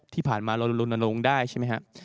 ที่ผ่านมาเราลนลงได้ใช่ไหมครับ